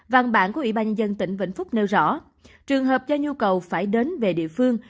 văn bản của ủy ban nhân dân tỉnh vĩnh phúc nêu rõ trường hợp do nhu cầu phải đến về địa phương